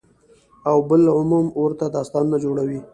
او بالعموم ورته داستانونه جوړوي،